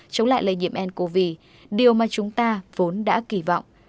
chống lại lây nhiễm ncov điều mà chúng ta vốn đã kỳ vọng